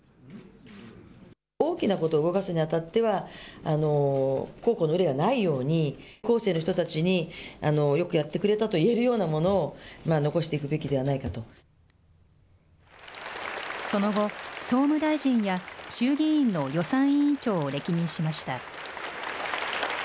大きなことを動かすにあたっては、後顧の憂いがないように、後世の人たちに、よくやってくれたと言えるようなものを残していくべきではないかその後、総務大臣や衆議院の予算委員長を歴任しました。